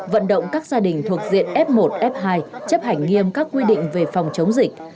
vận động các gia đình thuộc diện f một f hai chấp hành nghiêm các quy định về phòng chống dịch